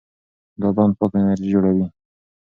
دا بند پاکه انرژي جوړوي.